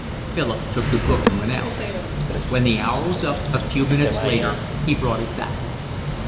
Philip took the book and went out. When the hour was up, a few minutes later, he brought it back.